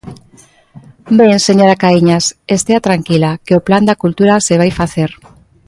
Ben, señora Caíñas, estea tranquila que o plan da cultura se vai facer.